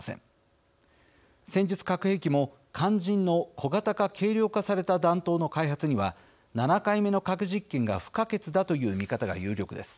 戦術核兵器も肝心の小型化・軽量化された弾頭の開発には７回目の核実験が不可欠だという見方が有力です。